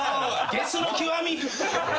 ゲスの極み。